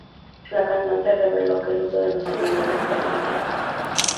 La cantante reveló que el uso de los animales fue su idea.